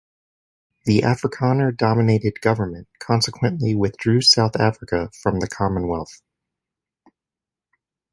The Afrikaner-dominated Government consequently withdrew South Africa from the Commonwealth.